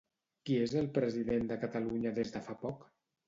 Qui és el president de Catalunya des de fa poc?